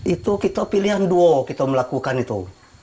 itu kita pilihan duo kita melakukan itu